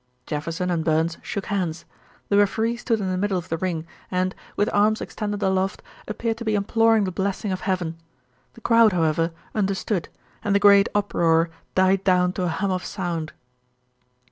Jefferson and Burns shook hands. The referee stood in the middle of the ring and, with arms extended aloft, appeared to be imploring the blessing of heaven. The crowd, however, understood, and the great uproar died down to a hum of sound.